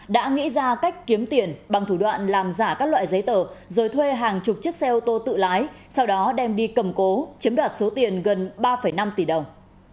đã nghĩ ra cách kiếm tiền bằng thủ đoạn làm giả các loại giấy tờ rồi thuê hàng chục chiếc xe ô tô tự lái sau đó đem đi cầm cố chiếm đoạt số tiền gần ba năm tỷ đồng